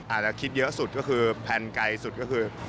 อาจจะคิดเยอะสุดก็คือแพลนไกลสุดก็คือ